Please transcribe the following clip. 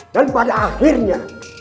dan pada akhirnya